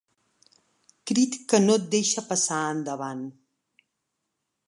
Crit que no et deixa passar endavant.